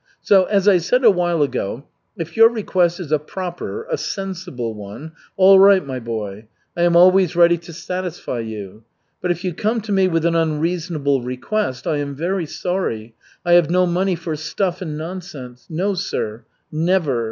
So, as I said a while ago, if your request is a proper, a sensible one, all right, my boy. I am always ready to satisfy you. But if you come to me with an unreasonable request, I am very sorry, I have no money for stuff and nonsense. No sir, never.